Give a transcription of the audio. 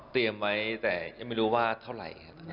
เตรียมไว้แต่ยังไม่รู้ว่าเท่าไหร่